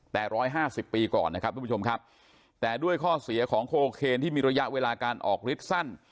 แต่๑๕๐ปีก่อนนะครับทุกผู้ชมครับแต่ด้วยข้อเสียของโคเคนที่มีระยะเวลาการออกฤทธิ์สั้น